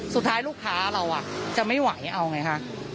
สุดท้ายลูกค้าเราจะไม่ไหวเอาไงคะ